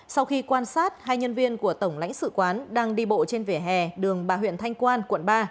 sau khi quan sát hai nhân viên của tổng lãnh sự quán đang đi bộ trên vỉa hè đường bà huyện thanh quan quận ba